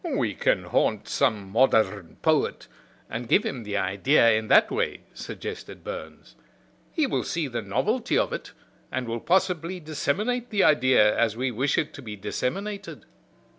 "We can haunt some modern poet, and give him the idea in that way," suggested Burns. "He will see the novelty of it, and will possibly disseminate the idea as we wish it to be disseminated."